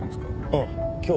あっ今日？